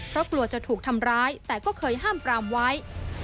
เพราะกลัวจะถูกทำร้ายแต่ก็เคยห้ามปรามไว้